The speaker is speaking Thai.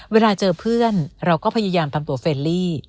เวลาเจอเพื่อนเราก็พยายามทำตัวเฟรลี่